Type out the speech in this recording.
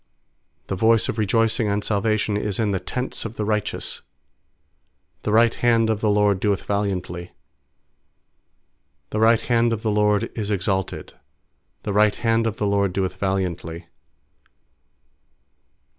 15The voice of rejoicing and salvation is in the tents of the righteous; The right hand of the LORD doeth valiantly. 16The right hand of the LORD is exalted; The right hand of the LORD doeth valiantly.